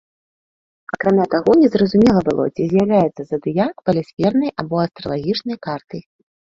Акрамя таго, незразумела было, ці з'яўляецца задыяк планісферай або астралагічнай картай.